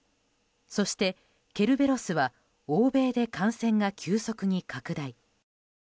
そしてケルベロスは欧米で感染が急速に拡大。